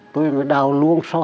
tôi mới đào luôn sau đó